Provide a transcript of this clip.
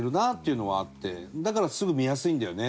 だからすぐ見やすいんだよね